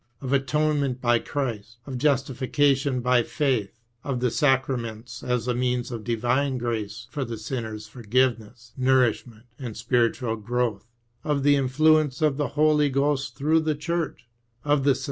Of atonement by Christ, of justification by faith, of the sacraments as the means of divine grace for the sinner's forgiveness, nourishment, and spiritual growth, of the iiifiuences of the Holy Ghost through the Church, of the sui 304 VIRTUE.